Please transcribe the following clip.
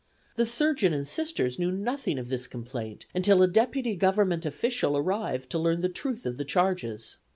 The surgeon and Sisters knew nothing of this complaint until a deputy Government official arrived to learn the truth of the charges.